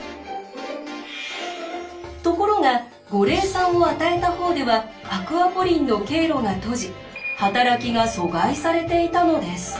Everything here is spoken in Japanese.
ところが五苓散を与えた方ではアクアポリンの経路が閉じ働きが阻害されていたのです。